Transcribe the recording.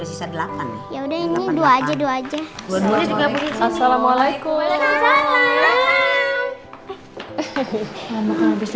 berbisa delapan ya udah ini dua aja dua aja dua dua juga begitu assalamualaikum